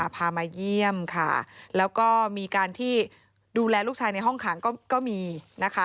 พามาเยี่ยมค่ะแล้วก็มีการที่ดูแลลูกชายในห้องขังก็มีนะคะ